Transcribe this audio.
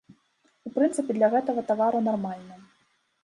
У прынцыпе, для гэтага тавару нармальна.